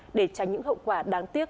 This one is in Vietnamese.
hợp pháp để tránh những hậu quả đáng tiếc